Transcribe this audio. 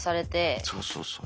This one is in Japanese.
そうそうそうそう。